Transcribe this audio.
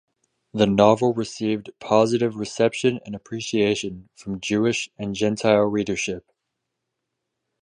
The novel received positive reception and appreciation from Jewish and gentile readership.